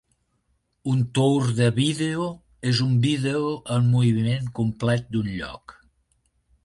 Un tour de vídeo és un vídeo en moviment complet d'un lloc.